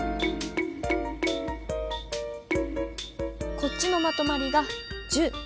こっちのまとまりが１０。